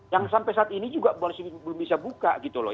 yang sampai saat ini juga belum bisa buka gitu loh